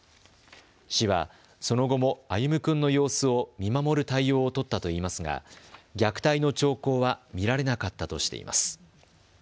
市はその後も歩夢君の様子を見守る対応を取ったといいますが虐待の兆候は見られなかったとしています。